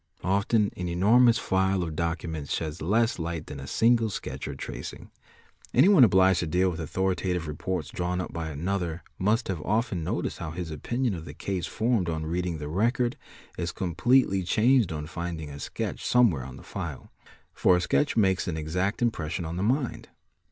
Often an enormous file of documents sheds less light than a single sketch or tracing. Anyone obliged to deal with authorita: tive reports drawn up by another must have often noticed how his opinioi of the case formed on reading the record is completely changed on findin, a sketch somewhere on the file; for a sketch makes an exact impress 61 on the mind.